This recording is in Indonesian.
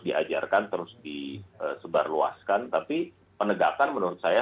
diajarkan terus disebarluaskan tapi penegakan menurut saya